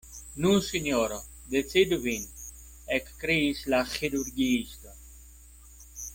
Nu, sinjoro, decidu vin, ekkriis la ĥirurgiisto.